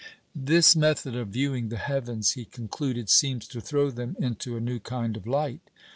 " "This method of viewing the heavens," he concluded, "seems to throw them into a new kind of light.